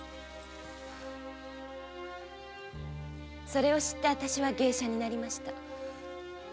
それを知ってあたしは芸者になりました。